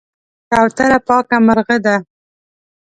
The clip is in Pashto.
کوتره پاکه مرغه ده.